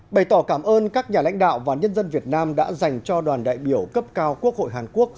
bày tỏ cảm ơn các nhà lãnh đạo và nhân dân việt nam đã dành cho đoàn đại biểu cấp cao quốc hội hàn quốc